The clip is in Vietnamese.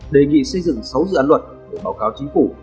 đề nghị xây dựng sáu dự án luật để báo cáo chính phủ